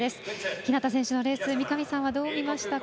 日向選手のレース三上さんはどう見ましたか？